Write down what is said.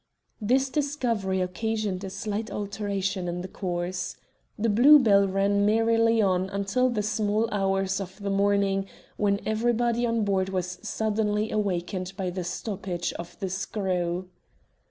This discovery occasioned a slight alteration in the course. The Blue Bell ran merrily on until the small hours of the morning, when everybody on board was suddenly awakened by the stoppage of the screw.